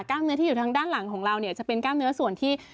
เนื้อที่อยู่ทางด้านหลังของเราเนี่ยจะเป็นกล้ามเนื้อส่วนที่